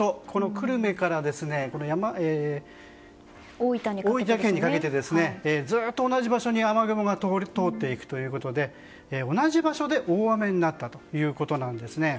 久留米から大分県にかけてずっと同じ場所に雨雲が通っていくということで同じ場所で大雨になったということなんです。